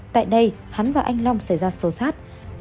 tại đây hắn và anh long xảy ra sổ sát